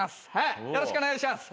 よろしくお願いします。